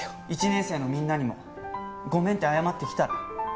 １年生のみんなにもごめんって謝ってきたら？